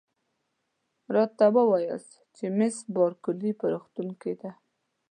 راته ووایاست چي مس بارکلي په روغتون کې ده؟